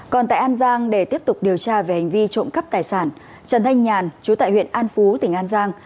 còn tại an giang để tiếp tục điều tra về hành vi trộm cắp tài sản trần thanh nhàn chú tại huyện an phú tỉnh an giang